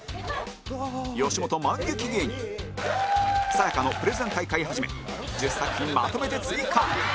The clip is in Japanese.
よしもと漫劇芸人さや香のプレゼン大会はじめ１０作品まとめて追加